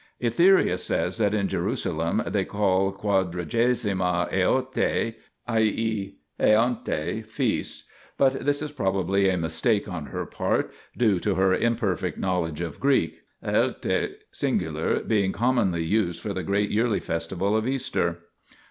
Etheria says that in Jerusalem they call Quadragesimal Eortae (i.e. eoorat, feasts), but this is probably a mistake on her part due to her imperfect knowledge of Greek, eoQtr) (sing.) being commonly used for the great yearly festival of Easter.